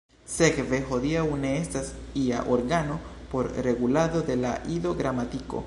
Sekve, hodiaŭ ne estas ia organo por regulado de la Ido-gramatiko.